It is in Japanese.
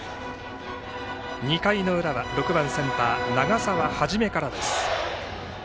２回の裏は、６番センター、長澤元からです。